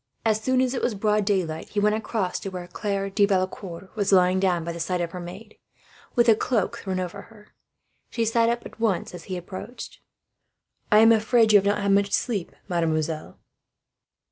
As soon as it was broad daylight, he went across to where Claire de Valecourt was lying down by the side of her maid, with a cloak thrown over them. She sat up at once, as his step approached. "I am afraid you have not had much sleep, mademoiselle."